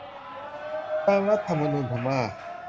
ตามรัฐธรรมนูญพม่า